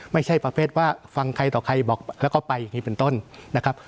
ไม่ใช่ประเภทว่าฟังใครต่อใครบอกแล้วก็ไปอย่างนี้เป็นต้นนะครับ